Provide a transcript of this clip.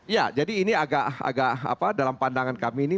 ya jadi ini dalam pandangan kami ini